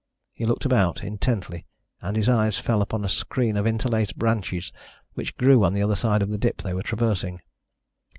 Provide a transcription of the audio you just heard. He looked around him intently, and his eyes fell upon a screen of interlaced branches which grew on the other side of the dip they were traversing.